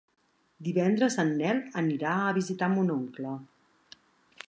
Divendres en Nel anirà a visitar mon oncle.